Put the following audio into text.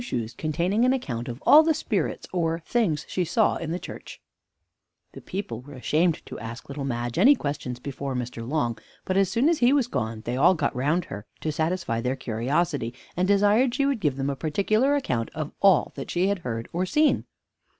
VII CONTAINING AN ACCOUNT OF ALL THE SPIRITS OR THINGS SHE SAW IN THE CHURCH The people were ashamed to ask Little Madge any questions before Mr. Long, but as soon as he was gone, they all got round her to satisfy their curiosity, and desired she would give them a particular account of all that she had heard or seen.